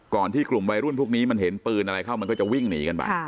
ที่กลุ่มวัยรุ่นพวกนี้มันเห็นปืนอะไรเข้ามันก็จะวิ่งหนีกันไป